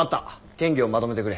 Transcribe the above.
建議をまとめてくれ。